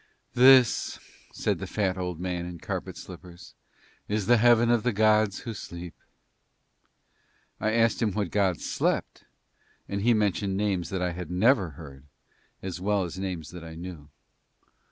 "This," said the fat old man in carpet slippers, "is the heaven of the gods who sleep." I asked him what gods slept and he mentioned names that I had never heard as well as names that I knew.